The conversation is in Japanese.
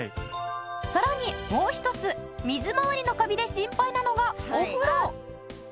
さらにもう一つ水回りのカビで心配なのがお風呂！